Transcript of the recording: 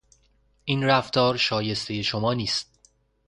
این رفتار شایستهی شما نیست.